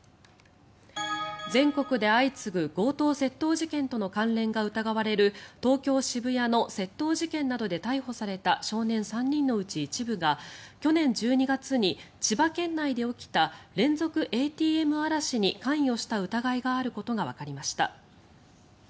全国で相次ぐ強盗・窃盗事件との関連が疑われる東京・渋谷の窃盗事件などで逮捕された少年３人のうち一部が去年１２月に千葉県内で起きた連続ＡＴＭ荒らしに関与した疑いがあることがわかりました。